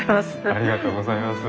ありがとうございます。